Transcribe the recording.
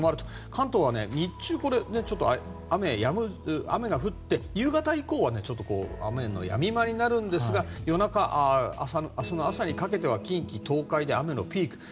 関東は日中、雨が降って夕方以降はちょっと雨のやみ間になるんですが夜中、明日の朝にかけては近畿・東海で雨のピーク。